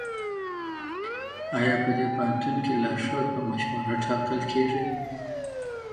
ایا په دې پوهنتون کي لارښود په مشوره ټاکل کېږي؟